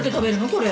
これ。